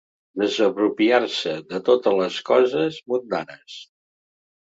Desapropiar-se de totes les coses mundanes.